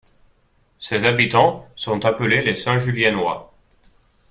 Ses habitants sont appelés les Saint-Juliennois.